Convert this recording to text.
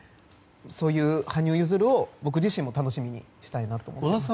そういう羽生結弦を僕自身も楽しみにしたいです。